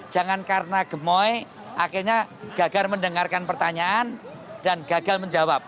jangan karena gemoy akhirnya gagal mendengarkan pertanyaan dan gagal menjawab